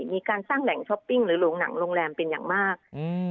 มีการสร้างแหล่งช้อปปิ้งหรือโรงหนังโรงแรมเป็นอย่างมากอืม